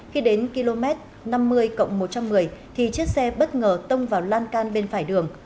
khi đến km năm mươi một trăm một mươi thì chiếc xe bất ngờ tông vào lan can bên phải đường